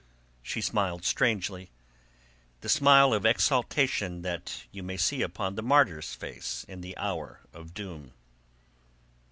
She smiled strangely, the smile of exaltation that you may see upon the martyr's face in the hour of doom.